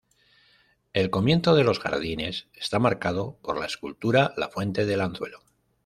El comienzo de los jardines está marcado por la escultura La fuente del anzuelo.